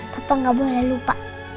papa enggak boleh lupa